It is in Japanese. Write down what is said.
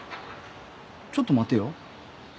ちょっと待てよ。